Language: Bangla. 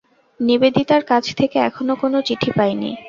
নিবেদিতার কাছ থেকে এখনও কোন চিঠি পাইনি।